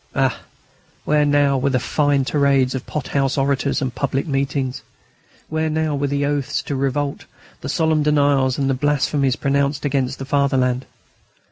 Ah! where now were the fine tirades of pothouse orators and public meetings? Where now were the oaths to revolt, the solemn denials and the blasphemies pronounced against the Fatherland?